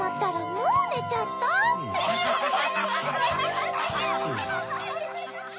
もうねちゃった！ハハハ！